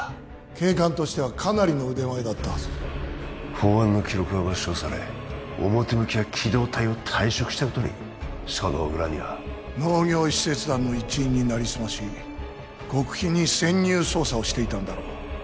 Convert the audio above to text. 警官としてはかなりの腕前だったはず公安の記録が抹消され表向きは機動隊を退職したことにその裏には農業使節団の一員になりすまし極秘に潜入捜査をしていたんだろう